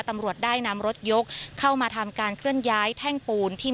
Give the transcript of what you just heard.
ตำรวจได้นำรถยกเข้ามาทำการเคลื่อนย้ายแท่งปูนที่